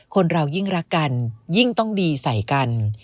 คนเรายิ่งรักกันยิ่งต้องดีใส่กัน